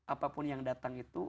apapun yang datang itu